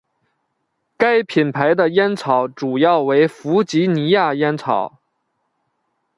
该品牌的烟草主要为弗吉尼亚烟草。